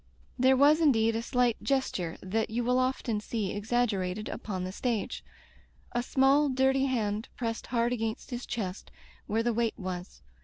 There was indeed a slight gesture that you will often see exaggerated upon the stage — 3, small dirty hand pressed hard against his chest where the weight was.